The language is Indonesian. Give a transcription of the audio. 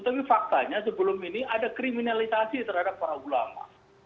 tapi faktanya sebelum ini ada kriminalisasi terhadap para ulama